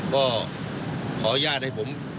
ก็ขออนุญาตให้ผม